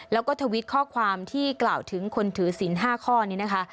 แล้วก็ทวิตข้อความที่กล่าวถึงคนถือศิลป์๕ข้อนี้นะคะ